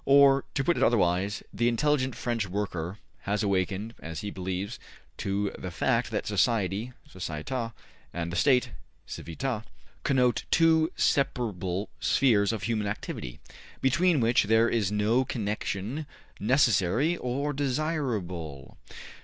Or, to put it otherwise, the intelligent French worker has awakened, as he believes, to the fact that Society (Societas) and the State (Civitas) connote two separable spheres of human activity, between which there is no connection, necessary or desirable.